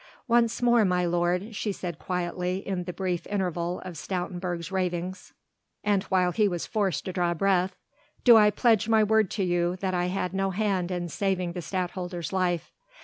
"Once more, my lord," she said quietly in the brief interval of Stoutenburg's ravings and while he was forced to draw breath, "do I pledge my word to you that I had no hand in saving the Stadtholder's life.